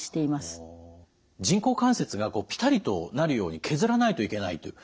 人工関節がこうぴたりとなるように削らないといけないという。